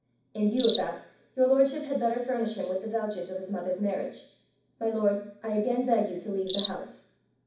In view of that, your lordship had better furnish him with the vouchers of his mother's marriage. My lord, I again beg you to leave the house."